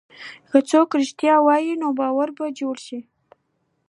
که څوک رښتیا ووایي، نو باور به جوړ شي.